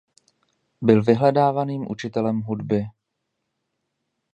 Byl vyhledávaným učitelem hudby.